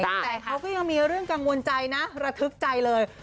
แต่เขาก็ยังมีเรื่องกังวลใจนะระทึกใจเลย